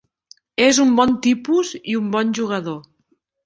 És un bon tipus i un bon jugador.